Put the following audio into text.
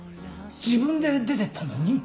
自分で出て行ったのに？